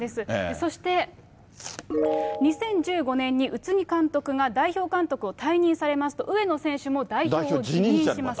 そして２０１５年に宇津木監督が代表監督を退任されますと、上野選手も代表を辞任します。